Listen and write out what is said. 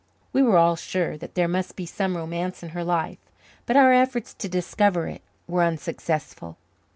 We were all sure that there must be some romance in her life, but our efforts to discover it were unsuccessful.